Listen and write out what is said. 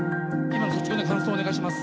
今率直な感想をお願いします。